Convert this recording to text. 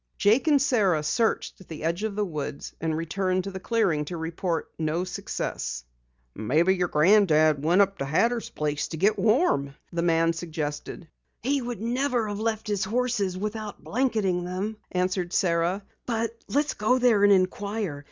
Jake and Sara searched at the edge of the woods and returned to the clearing to report no success. "Maybe your granddad went up to Hatter's place to get warm," the man suggested. "He never would have left his horses without blanketing them," answered Sara. "But let's go there and inquire.